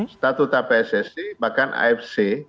statuta pssc bahkan afc